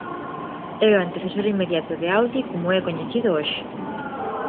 É o antecesor inmediato de Audi como é coñecido hoxe.